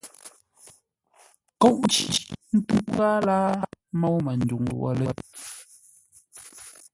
Kôʼ nci ńtə́u ghâa láa môu Manduŋ wə̂ lə́!